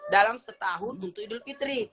dalam setahun untuk idul fitri